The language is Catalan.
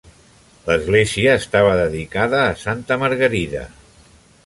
L'església estava dedicada a Santa Margarida.